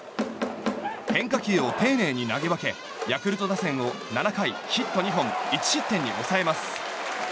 変化球を丁寧に投げ分けヤクルト打線を７回ヒット２本１失点に抑えます。